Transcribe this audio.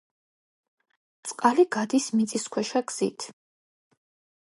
წყალი გადის მიწისქვეშა გზით.